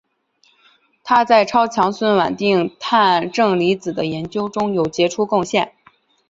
他在超强酸稳定碳正离子的研究中有杰出贡献。